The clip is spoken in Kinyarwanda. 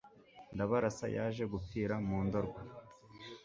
ndabarasa yaje gupfira mu ndorwa